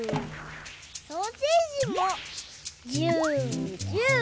ソーセージもジュージュー。